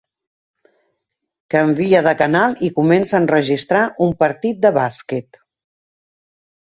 Canvia de canal i comença a enregistrar un partit de bàsquet.